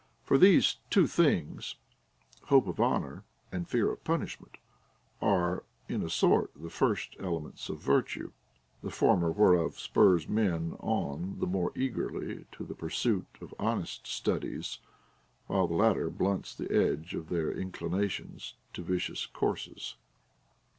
For these two things (hope of honor, and fear of punish ment) are, in a sort, the first elements of virtue ; the former whereof spurs men on the more eagerly to the pursuit of honest studies, while the latter blunts the edge of their inclinations to vicious courses.